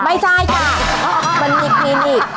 ไม่ใช่ค่ะมันมีนิด